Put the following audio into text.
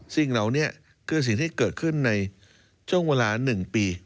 สิ่งเหล่านี้คือสิ่งที่เกิดขึ้นในช่วงเวลา๑ปี